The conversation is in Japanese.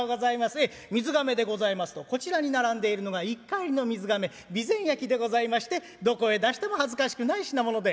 ええ水瓶でございますとこちらに並んでいるのが１荷入りの水瓶備前焼でございましてどこへ出しても恥ずかしくない品物で」。